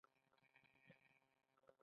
دواړه ورغلو ما ورته د خپلې تورې كيسه وكړه.